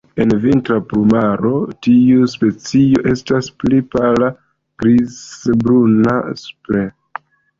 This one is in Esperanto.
En vintra plumaro, tiu specio estas pli pala grizbruna supre.